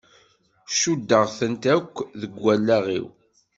Cuddeɣ-tent akk deg wallaɣ-iw.